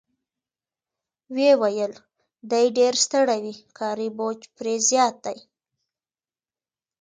ویې ویل: دی ډېر ستړی وي، کاري بوج پرې زیات دی.